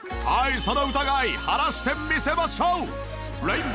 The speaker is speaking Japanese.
その疑い晴らしてみせましょう！